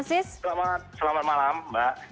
selamat malam mbak